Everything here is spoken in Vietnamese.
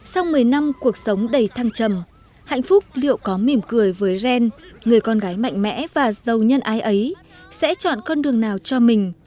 sau một mươi năm cuộc sống đầy thăng trầm hạnh phúc liệu có mỉm cười với ren người con gái mạnh mẽ và giàu nhân ái ấy sẽ chọn con đường nào cho mình